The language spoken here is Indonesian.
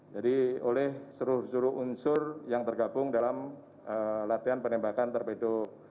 oleh seluruh unsur yang tergabung dalam latihan penembakan torpedo